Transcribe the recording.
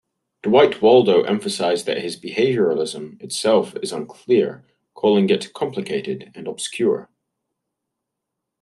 Dwight Waldo emphasized that behavioralism itself is unclear, calling it "complicated" and "obscure.